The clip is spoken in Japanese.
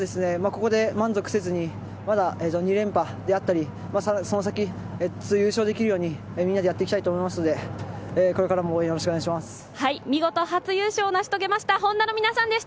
ここで満足せずに２連覇であったり、その先優勝できるようにみんなでやっていきたいと思いますので、これからも応援よろしくお願いします。